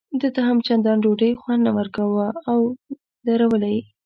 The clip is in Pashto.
ده ته هم چندان ډوډۍ خوند نه ورکاوه او یې ودروله.